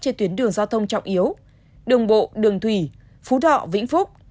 trên tuyến đường giao thông trọng yếu đường bộ đường thủy phú thọ vĩnh phúc